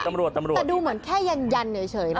แต่ดูเหมือนแค่ยันเฉย